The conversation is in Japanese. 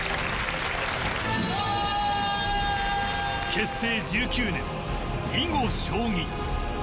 結成１９年、囲碁将棋。